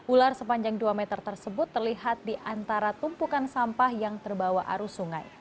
ular sepanjang dua meter tersebut terlihat di antara tumpukan sampah yang terbawa arus sungai